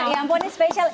yang poni spesial